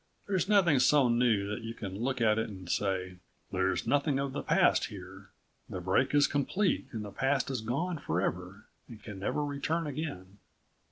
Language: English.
There's nothing so new that you can look at it and say, "There's nothing of the past here. The break is complete and the past is gone forever and can never return again."